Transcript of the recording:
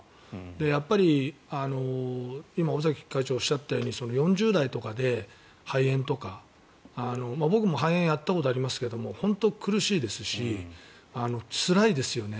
やっぱり今尾崎会長がおっしゃったように４０代とかで肺炎とか僕も肺炎やったことありますけど本当に苦しいですしつらいですよね。